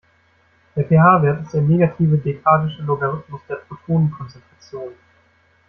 Der pH-Wert ist der negative dekadische Logarithmus der Protonenkonzentration.